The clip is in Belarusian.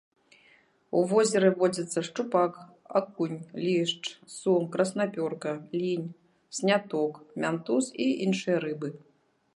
У возеры водзяцца шчупак, акунь, лешч, сом, краснапёрка, лінь, сняток, мянтуз і іншыя рыбы.